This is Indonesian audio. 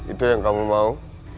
itu yang kamu mau